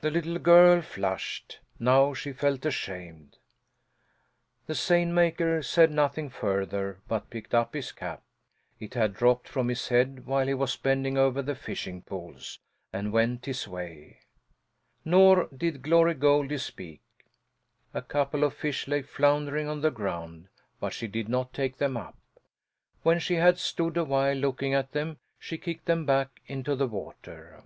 The little girl flushed. Now she felt ashamed. The seine maker said nothing further, but picked up his cap (it had dropped from his head while he was bending over the fishing poles) and went his way. Nor did Glory Goldie speak. A couple of fish lay floundering on the ground, but she did not take them up; when she had stood a while looking at them, she kicked them back into the water.